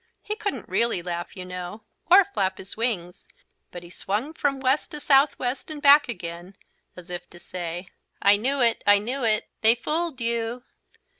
He couldn't really laugh, you know, or flap his wings, but he swung from west to southwest and back again, as if to say: "I knew it. I knew it. They fooled you!"